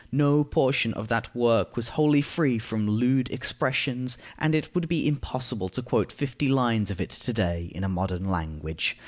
No portion of that work was wholly free from lewd expressions, and it would be impossible to quote fifty lines of it to day in a modern language.